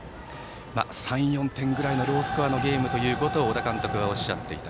３４点ぐらいのロースコアのゲームと小田監督はおっしゃっていた。